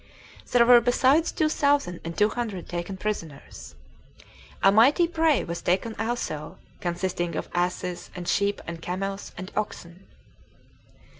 There were besides two thousand and two hundred taken prisoners. A mighty prey was taken also, consisting of asses, and sheep, and camels, and oxen.